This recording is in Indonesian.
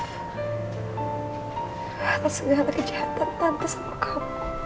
atas segala kejahatan tante sama kau